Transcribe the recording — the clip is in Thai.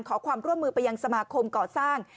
ขอความร่วมมือไปยังสมาคมก่อสร้าง